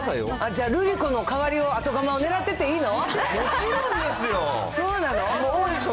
じゃあ、瑠璃子の代わりを、後釜をねらってていいの？